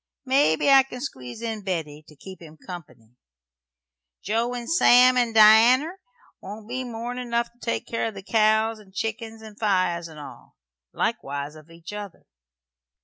Mebbe I can squeeze in Betty, to keep him company. Joe and Sam and Dianner won't be more'n enough to take care o' the cows and chickens and fires, and all. Likewise of each other."